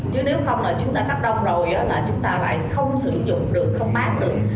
chứ nếu không là chúng ta cấp đông rồi là chúng ta lại không sử dụng được không bán được